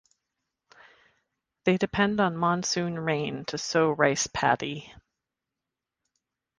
They depend on monsoon rain to sow rice paddy.